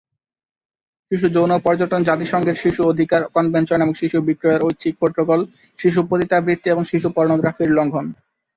শিশু যৌন পর্যটন জাতিসংঘের শিশু অধিকার কনভেনশন, এবং শিশু বিক্রয়ের ঐচ্ছিক প্রটোকল, শিশু পতিতাবৃত্তি এবং শিশু পর্নোগ্রাফির লঙ্ঘন।